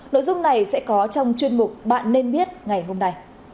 nội dung này sẽ có trong chuyên mục bạn nên biết ngày hôm nay